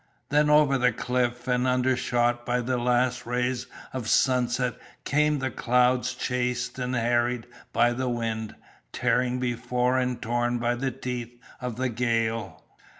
Then over the cliff and undershot by the last rays of sunset came the clouds chased and harried by the wind, tearing before and torn by the teeth of the gale.